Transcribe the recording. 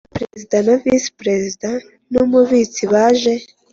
Perezida na Visi Perezida n ‘Umubitsi baje.